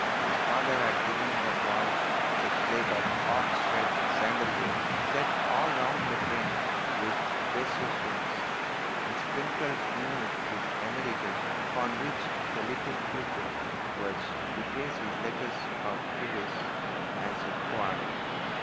His father had given the boy a slate of ox red sandal wood, set all round the frame with precious stones, and sprinkled smooth with emery dust, upon which the little pupil was to trace his letters or figures as THE PRINCE WONDERFUL 161 required.